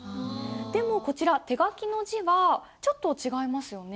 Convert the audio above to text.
でもこちら手書きの字はちょっと違いますよね。